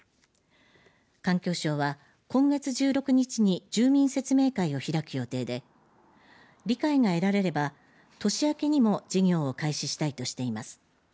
環境省は今月１６日に住民説明会を開く予定で理解が得られれば年明けにも事業を開始したいとしています。